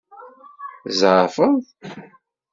Tzeɛfeḍ?